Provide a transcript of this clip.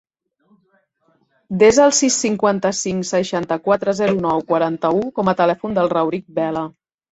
Desa el sis, cinquanta-cinc, seixanta-quatre, zero, nou, quaranta-u com a telèfon del Rauric Vela.